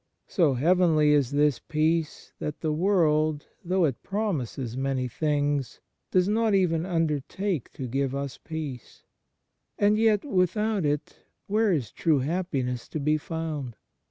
So heavenly is this peace that the world, though it promises many things, does not even undertake to give us peace. And yet without it where is true happiness to be found